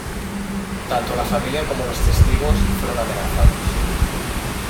Tanto la familia como los testigos fueron amenazados.